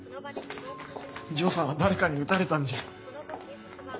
丈さんは誰かに撃たれたんじゃ。